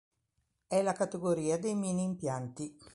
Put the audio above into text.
È la categoria dei mini-impianti.